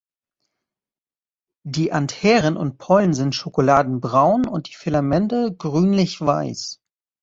Die Antheren und Pollen sind schokoladenbraun und die Filamente grünlich-weiß.